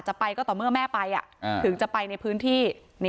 จะไปก็ต่อเมื่อแม่ไปถึงจะไปในพื้นที่